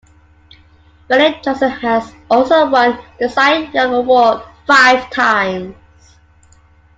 Randy Johnson has also won the Cy Young Award five times.